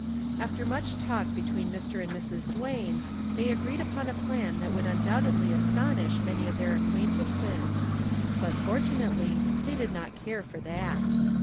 After much talk between Mr. and Mrs. Duane they agreed upon a plan that would undoubtedly astonish many of their acquaintances; but, fortunately, they did not care for that.